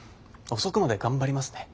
遅くまで頑張りますね。